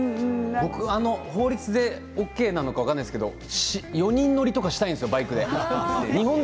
僕、法律でＯＫなのか分かりませんが４人乗りとかしたいんですバイクで。